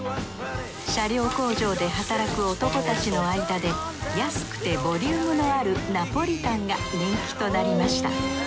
車両工場で働く男たちの間で安くてボリュームのあるナポリタンが人気となりました。